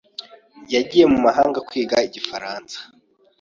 yagiye mu mahanga kwiga igifaransa.